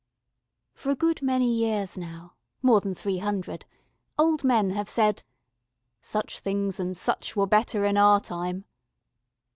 For a good many years now more than three hundred old men have said "Such things and such were better in our time."